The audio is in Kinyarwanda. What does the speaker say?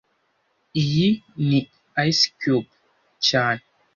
Iyi ni ice cube cyane